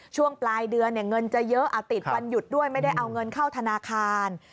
ช่วงปลายเดือนเงินจะเยอะติดวันหยุดด้วยไม่ได้เอาเงินเข้าธนาคาร